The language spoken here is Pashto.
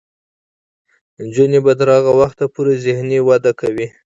نجونې به تر هغه وخته پورې ذهني وده کوي.